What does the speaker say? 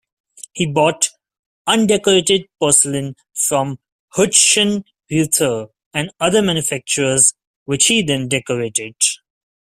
He bought undecorated porcelain from Hutschenreuther and other manufacturers which he then decorated.